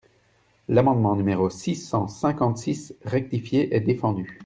L’amendement numéro six cent cinquante-six rectifié est défendu.